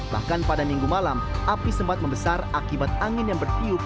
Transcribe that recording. bahkan pada minggu malam api sempat membesar akibat angin yang bertiup